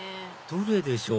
どれでしょう？